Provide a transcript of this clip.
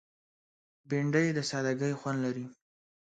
بېنډۍ د سادګۍ خوند لري